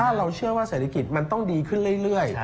เราเชื่อว่าเศรษฐกิจมันต้องดีขึ้นเรื่อย